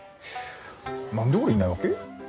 何で俺いないわけ？